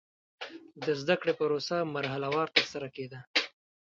د زده کړې پروسه مرحله وار ترسره کېده.